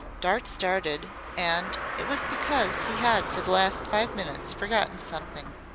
Dart started and it was because he had for the last five minutes forgotten something.